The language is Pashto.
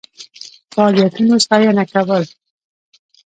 فعالیتونو ستاینه کول.